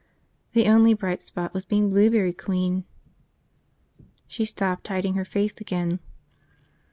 The only bright spot was being Blueberry Queen. ..." She stopped, hiding her face again.